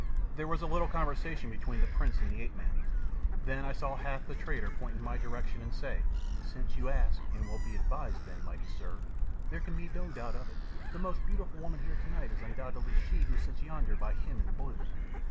There was a little conversation between the prince and the ape man; then I saw Hath the traitor point in my direction and say "Since you ask and will be advised, then, mighty sir, there can be no doubt of it, the most beautiful woman here tonight is undoubtedly she who sits yonder by him in blue."